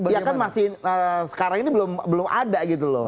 ya kan masih sekarang ini belum ada gitu loh